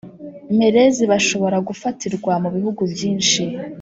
merelles bashobora gufatirwa mu bihugu byinshi